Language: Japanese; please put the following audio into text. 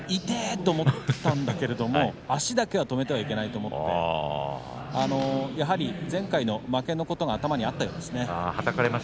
痛えと思ったんだけれども足だけは止めてはいけないと思ってやはり前回の負けのことが頭にあったようです。